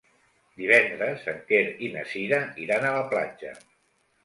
Divendres en Quer i na Cira iran a la platja.